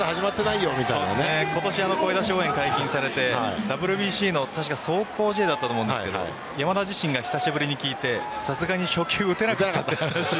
今年、声出し応援が解禁されてＷＢＣの壮行試合だったと思うんですが山田自身が久しぶりに聴いてさすがに初球、打てなかったという話。